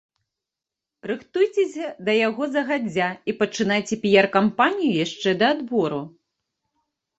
Рыхтуйцеся да яго загадзя і пачынайце піяр-кампанію яшчэ да адбору!